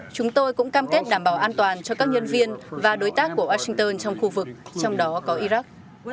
chúng tôi cũng cam kết đảm bảo an toàn cho các nhân viên và đối tác của washington trong khu vực trong đó có iraq